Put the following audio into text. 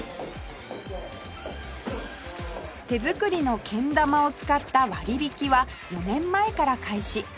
手作りのけん玉を使った割引は４年前から開始